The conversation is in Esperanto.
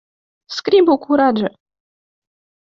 Skribu kuraĝe!